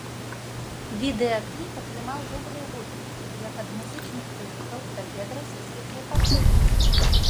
Відэакліп атрымаў добрыя водгукі як ад музычных крытыкаў, так і ад расійскіх слухачоў.